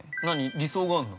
理想があんの？